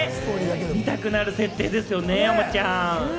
見たくなる設定ですよね、山ちゃん。